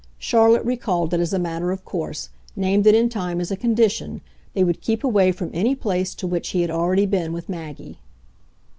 Charlotte recalled it as a matter of course, named it in time as a condition they would keep away from any place to which he had already been with Maggie.